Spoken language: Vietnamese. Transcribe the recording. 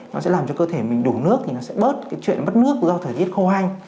nó sẽ làm cho cơ thể mình đủ nước thì nó sẽ bớt cái chuyện mất nước do thời tiết khô hanh